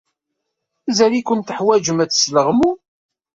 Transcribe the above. Mazal-iken teḥwajem ad tesleɣmum.